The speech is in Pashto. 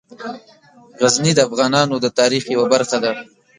غزني د افغانانو د تاریخ یوه برخه ده.